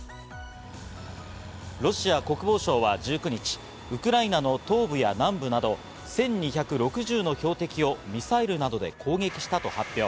ロシア国防省は１９日、ウクライナの東部や南部など、１２６０の標的をミサイルなどで攻撃したと発表。